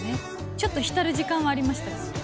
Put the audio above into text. ちょっとひたる時間はありました。